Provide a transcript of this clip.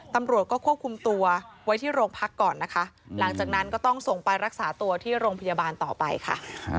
ตำรวจก็ควบคุมตัวไว้ที่โรงพักก่อนนะคะหลังจากนั้นก็ต้องส่งไปรักษาตัวที่โรงพยาบาลต่อไปค่ะ